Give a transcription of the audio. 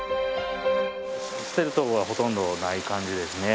捨てるところがほとんどない感じですね。